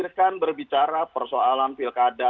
kita akan berbicara persoalan pilkada